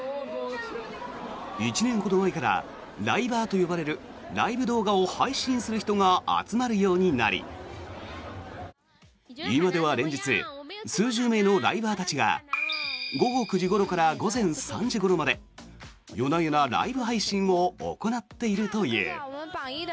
１年ほど前からライバーと呼ばれるライブ動画を配信する人が集まるようになり今では連日、数十名のライバーたちが午後９時ごろから午前３時ごろまで夜な夜なライブ配信を行っているという。